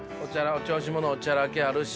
お調子者おちゃらけあるし。